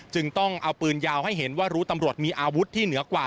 จึงต้องเอาปืนยาวให้เห็นว่ารู้ตำรวจมีอาวุธที่เหนือกว่า